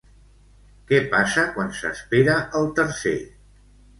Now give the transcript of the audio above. Què passa quan s'espera el tercer?